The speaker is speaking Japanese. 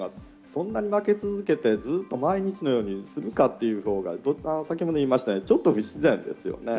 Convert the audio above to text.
そんなに負け続けて毎日のようにするかっていうほうが、さっきも言いましたように、不思議ですよね。